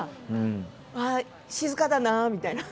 静かだなみたいな。